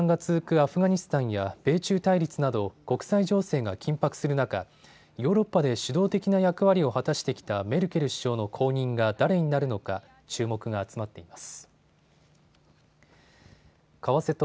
アフガニスタンや米中対立など国際情勢が緊迫する中、ヨーロッパで主導的な役割を果たしてきたメルケル首相の後任が誰になるのか注目が集まっています。